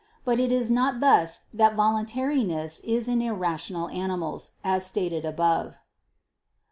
But it is not thus that voluntariness is in irrational animals, as stated above.